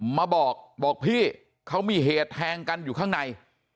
มาบอกบอกพี่เขามีเหตุแทงกันอยู่ข้างใน